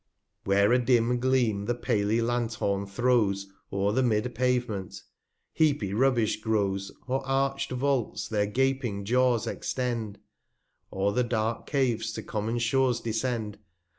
p Where a dim Gleam the paly Lanthorn throws O'er the mid' Pavement ; heapy Rubbish grows, 336 Or arched Vaults their gaping Jaws extend, Or the dark Caves to Common Shores descend.